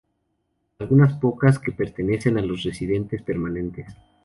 Algunas pocas que pertenecen a los residentes permanentes.